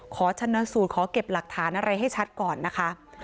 ขอชนะสูตรขอเก็บหลักฐานอะไรให้ชัดก่อนนะคะ